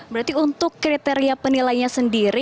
berarti untuk kriteria penilainya sendiri